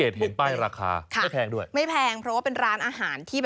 ทั่วไปครับ